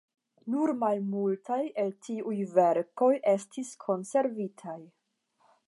Nur malmultaj el tiuj verkoj estis konservitaj.